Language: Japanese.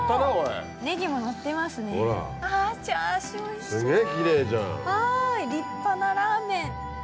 はい立派なラーメン。